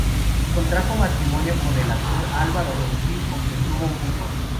Contrajo matrimonio con el actor Álvaro Ortiz, con quien tuvo un hijo.